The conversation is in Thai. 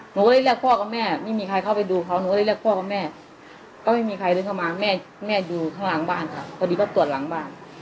หนูก็เลยเรียกพ่อกับแม่ไม่มีใครเข้าไปดูเขาหนูก็เลยเรียกพ่อกับแม่ก็ไม่มีใครเดินเข้ามาแม่แม่ดูข้างหลังบ้านค่ะพอดีก็ตรวจหลังบ้าน